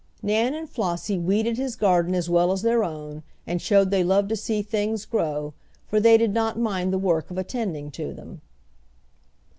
Nan and Flossie weeded his garden as well as their own and showed they loved to see things grow, for they did not mind the work of attending to them.